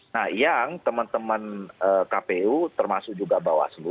nah yang teman teman kpu termasuk juga bawaslu